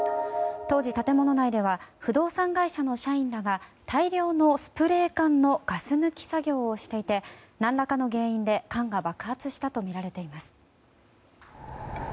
当時、建物内では不動産会社の社員らが大量のスプレー缶のガス抜き作業をしていて何らかの原因で缶が爆発したとみられています。